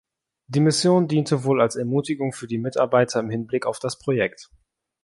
Die Mission diente wohl als Ermutigung für die Mitarbeiter im Hinblick auf das Projekt.